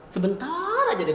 sebentar aja den